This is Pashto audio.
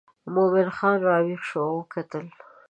مومن خان راویښ شو او وکتل.